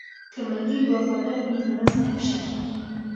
که ملګری وفادار وي نو راز نه افشا کیږي.